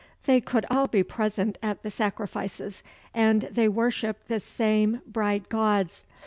They could all be present at the sacrifices, and they worshipped the same Bright Gods.